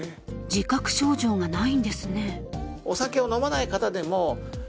自覚症状がないんですね。